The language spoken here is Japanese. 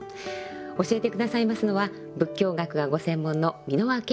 教えて下さいますのは仏教学がご専門の蓑輪顕量先生です。